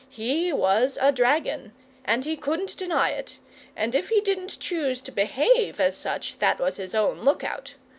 He was a dragon, and he couldn't deny it, and if he didn't choose to behave as such that was his own lookout.